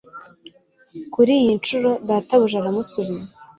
kuriyi nshuro databuja aramusubiza